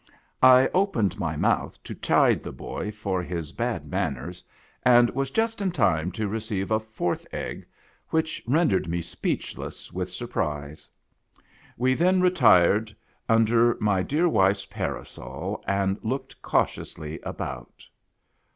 1 opened my mouth to chide the boy for his bad manners, and was just in time to receive a fourth egg, which rendered me speechless with surprise. We then retired under my dear wife's parasol, and looked cautiously about.